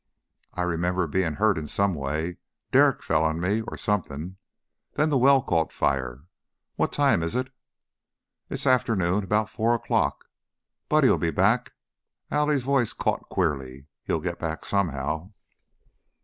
"I remember being hurt in some way derrick fell on me, or something. Then the well caught fire. What time is it?" "It's afternoon. About four o'clock. Buddy 'll be back " Allie's voice caught queerly. "He'll get back somehow."